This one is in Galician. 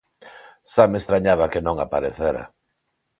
Xa me estrañaba que non aparecera.